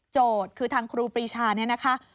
โจทย์คือทางครูปริชานี่นะคะ